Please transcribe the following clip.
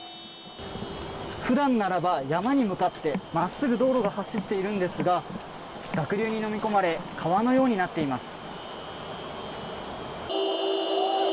普段ならば山に向かって真っすぐ道路が走っているんですが濁流にのみ込まれ川のようになっています。